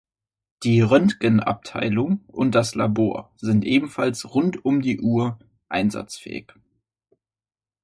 Die Röntgenabteilung und das Labor sind ebenfalls rund um die Uhr einsatzfähig.